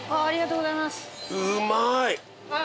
うまい！